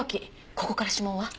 ここから指紋は？